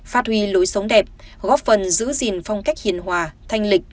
phát huy lối sống đẹp góp phần giữ gìn phong cách hiền hòa thanh lịch